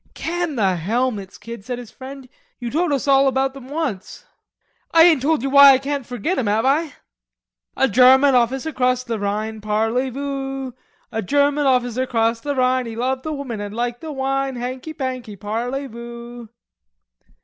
"Can the helmets, kid," said his friend. "You told us all about them onct." "I ain't told you why I can't forgit 'em, have I?" "A German officer crossed the Rhine; Parley voo? A German officer crossed the Rhine; He loved the women and liked the wine; Hanky Panky, parley voo....